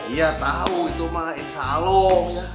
ya tahu itu mah insya allah